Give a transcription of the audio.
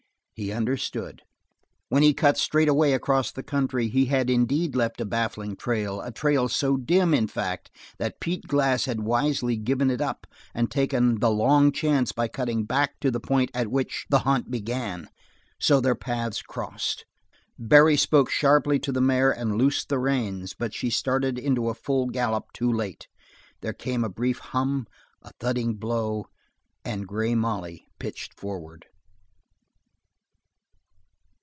He understood. When he cut straightaway across the country he had indeed left a baffling trail, a trail so dim, in fact, that Pete Glass had wisely given it up and taken the long chance by cutting back to the point at which the hunt began. So their paths crossed. Barry spoke sharply to the mare and loosed the reins, but she started into a full gallop too late. There came a brief hum, a thudding blow, and Grey Molly pitched forward.